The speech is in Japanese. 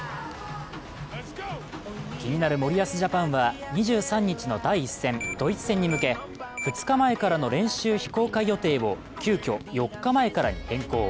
気になる森保ジャパンは２３日の第１戦、ドイツ戦に向け、２日前からの練習非公開予定を急きょ４日前からに変更。